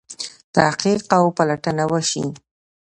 تحقیق او پلټنه وشي.